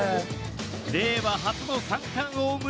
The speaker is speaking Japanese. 令和初の三冠王「村神様」。